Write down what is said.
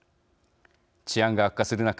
治安が悪化する中